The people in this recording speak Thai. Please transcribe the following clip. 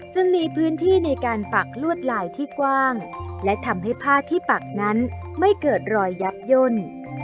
จึงมีพื้นที่ในการปักลวดลายที่กว้างและทำให้ผ้าที่ปักนั้นไม่เกิดรอยยับย่น